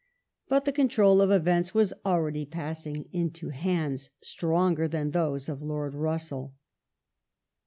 ^ But the control of events was already passing into hands stronger than those of Lord Russell.